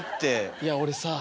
いや俺さ